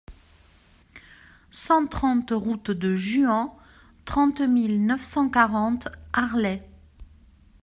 cent trente route de Juhans, trente-neuf mille cent quarante Arlay